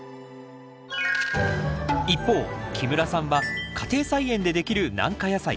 一方木村さんは家庭菜園でできる軟化野菜。